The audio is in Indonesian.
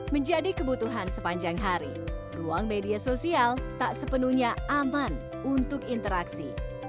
menjadi kebutuhan sepanjang hari ruang media sosial tak sepenuhnya aman untuk interaksi